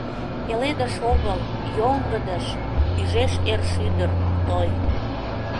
Пеледыш огыл, йоҥгыдыш Ӱжеш эр шӱдыр — той.